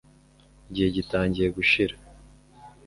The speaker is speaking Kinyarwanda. igihe gitangiye gushira